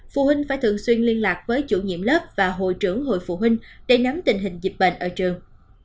phụ huynh phải thường xuyên liên lạc với chủ nhiệm lớp và hội trưởng hội phụ huynh để nắm tình hình dịch bệnh ở trường